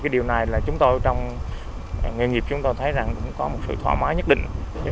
điều này là trong nghề nghiệp chúng tôi thấy có sự thay đổi